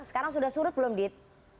sekarang sudah surut belum dit